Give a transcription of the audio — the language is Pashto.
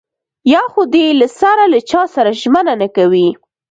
يا خو دې له سره له چاسره ژمنه نه کوي.